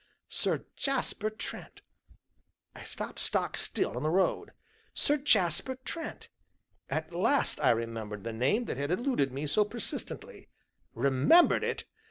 Sir Jasper Trent! I stopped stock still in the road. Sir Jasper Trent! At last I remembered the name that had eluded me so persistently. Remembered it?